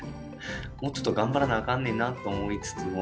もうちょっと頑張らなあかんねんなと思いつつも。